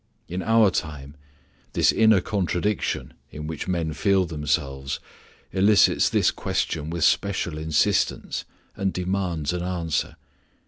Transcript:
In our time, the inner contradiction in which men feel themselves elicits this question with special insistence, and demands an answer.